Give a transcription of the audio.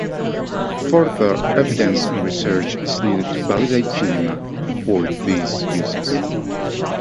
Further evidence and research is needed to validate gymnema for these uses.